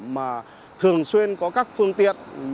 mà thường xuyên có các phương tiện để đánh giá địa bàn tình hình